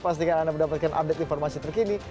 pastikan anda mendapatkan update informasi terkini